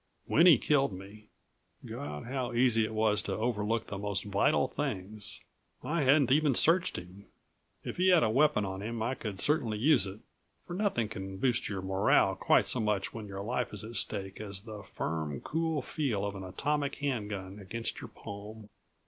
When he killed me God, how easy it was to overlook the most vital things! I hadn't even searched him. If he had a weapon on him I could certainly use it, for nothing can boost your morale quite so much when your life is at stake as the firm, cool feel of an atomic hand gun against your palm.